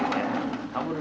ya ngerela kok demi kamu ya